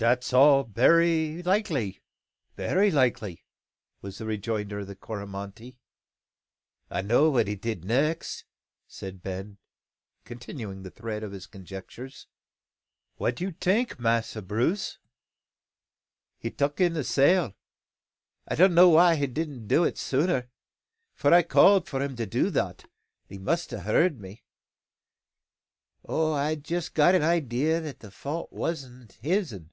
"Dat's all berry likely, berry likely," was the rejoinder of the Coromantee. "I know what he did next," said Ben, continuing the thread of his conjectures. "Wha' you tink, Massa Brace?" "He tuk in sail. I don't know why he didn't do it sooner; for I called to him to do that, an' he must ha' heerd me. I've jest got a idea that the fault was not his'n.